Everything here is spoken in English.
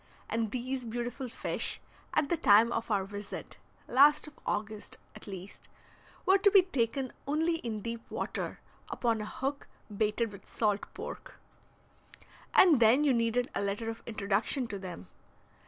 And these beautiful fish, at the time of our visit (last of August) at least, were to be taken only in deep water upon a hook baited with salt pork. And then you needed a letter of introduction to them.